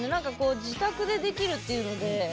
自宅でできるっていうので。